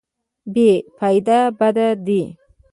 بې فایده بد دی.